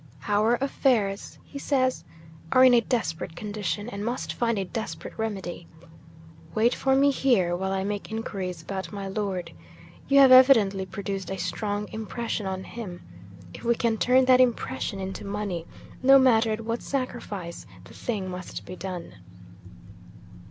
"Our affairs," he says, "are in a desperate condition, and must find a desperate remedy. Wait for me here, while I make inquiries about my Lord. You have evidently produced a strong impression on him. If we can turn that impression into money, no matter at what sacrifice, the thing must be done."